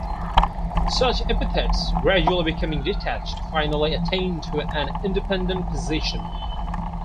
Such epithets gradually becoming detached finally attained to an independent position.